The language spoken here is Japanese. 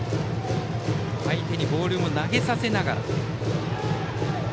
相手にボールを投げさせながら。